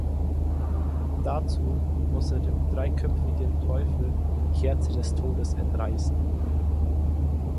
Dazu muss er dem dreiköpfigen Teufel die Kerze des Todes entreißen.